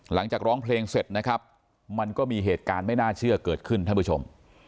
หลังจากร้องเพลงเสร็จนะครับมันก็มีเหตุการณ์ไม่น่าเชื่อเกิดขึ้นท่านผู้ชม